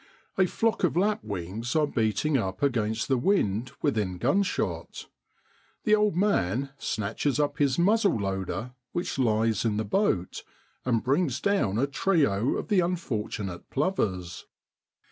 A flock of lapwings are beating up against the wind within gunshot. The old man snatches up his muzzle loader, which lies in the boat, and brings down a trio of the unfortunate plovers.